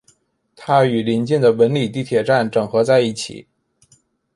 它与临近的文礼地铁站整合在一起。